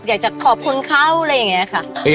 อยากจะขอบคุณเขาอะไรอย่างนี้ค่ะ